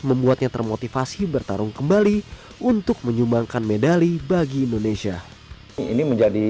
membuatnya termotivasi bertarung kembali untuk menyumbangkan medali bagi indonesia